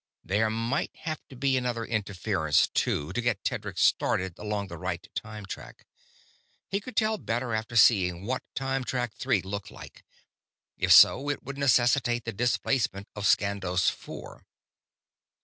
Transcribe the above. There might have to be another interference, too, to get Tedric started along the right time track. He could tell better after seeing what Time Track Three looked like. If so, it would necessitate the displacement of Skandos Four.